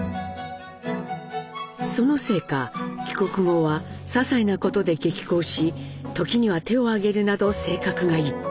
そのせいか帰国後はささいなことで激高し時には手を上げるなど性格が一変。